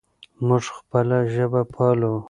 موږ خپله ژبه پالو.